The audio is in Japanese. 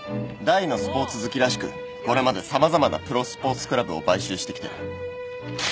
大のスポーツ好きらしくこれまで様々なプロスポーツクラブを買収してきてる。